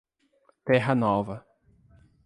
Terra Nova